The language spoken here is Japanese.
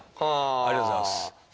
ありがとうございます